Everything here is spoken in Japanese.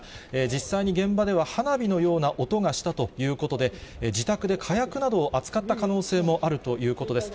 実際に現場では、花火のような音がしたということで、自宅で火薬などを扱った可能性もあるということです。